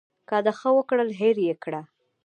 که د ښه وکړل هېر یې کړه .